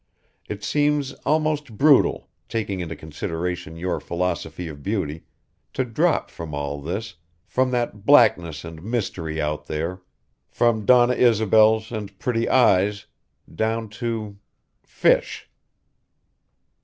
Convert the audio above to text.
It seems almost brutal, taking into consideration your philosophy of beauty, to drop from all this from that blackness and mystery out there, from Donna Isobels and pretty eyes, down to fish."